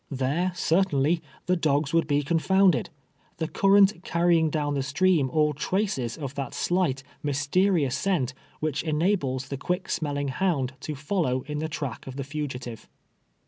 Tlicre, certainly, the dogs wouhl he con fonndcd — the current carrying down the stream all traces of that slight, mysterious scent, which enables the qnick smelling hound to follow in the track of the fugitive.